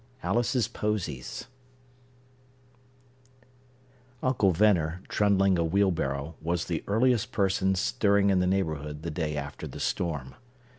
Alice's Posies Uncle Venner, trundling a wheelbarrow, was the earliest person stirring in the neighborhood the day after the storm.